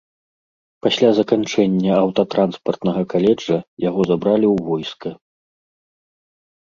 Пасля заканчэння аўтатранспартнага каледжа, яго забралі ў войска.